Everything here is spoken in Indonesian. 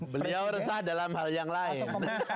beliau resah dalam hal yang lain